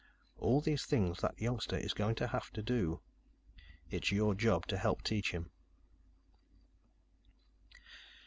All these things, that youngster is going to have to do. "It's your job to help teach him."